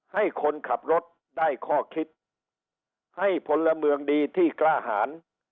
ให้คนขับรถได้ข้อคิดให้พลเมืองดีที่กล้าหาร